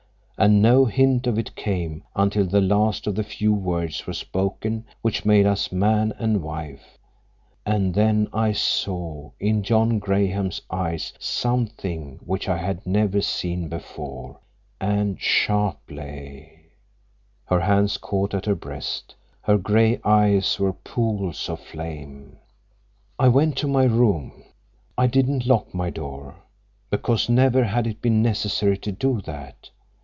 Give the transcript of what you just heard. And no hint of it came until the last of the few words were spoken which made us man and wife, and then I saw in John Graham's eyes something which I had never seen there before. And Sharpleigh—" Her hands caught at her breast. Her gray eyes were pools of flame. "I went to my room. I didn't lock my door, because never had it been necessary to do that.